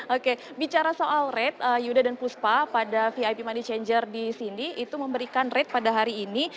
oke bicara soal rate yudha dan puspa pada vip money changer di sini itu memberikan rate pada hari ini